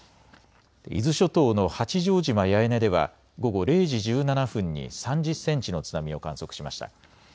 伊豆諸島の八丈島八重根では午後０時１７分に３０センチの津波を観測しました。